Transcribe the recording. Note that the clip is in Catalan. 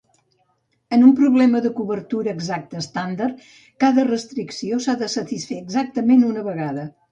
En un problema de cobertura exacta estàndard, cada restricció s'ha de satisfer exactament una vegada.